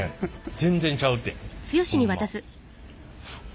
全然ちゃうってホンマ。